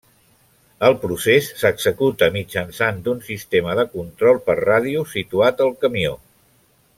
El procés s'executa mitjançant d'un sistema de control per ràdio situat al camió.